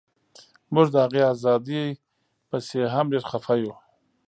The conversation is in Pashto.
موږ د هغې ازادۍ پسې هم ډیر خفه یو